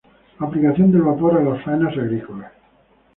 Aplicación del vapor a las faenas agrícolas.